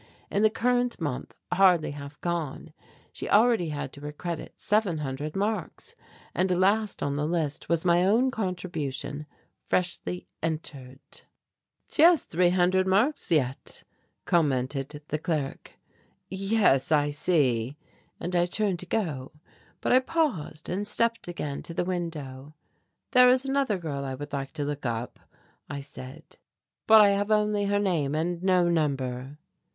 In the current month, hardly half gone, she already had to her credit seven hundred marks; and last on the list was my own contribution, freshly entered. "She has three hundred marks yet," commented the clerk. "Yes, I see," and I turned to go. But I paused and stepped again to the window. "There is another girl I would like to look up," I said, "but I have only her name and no number."